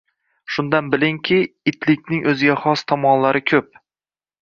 Shundan bilingki, itlikning o‘ziga xos tomonlari ko‘p